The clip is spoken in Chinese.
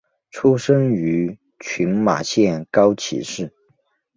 出身于群马县高崎市。